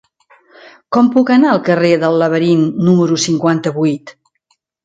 Com puc anar al carrer del Laberint número cinquanta-vuit?